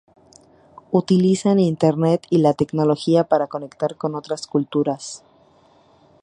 Utilizan Internet y la tecnología para conectar con otras culturas.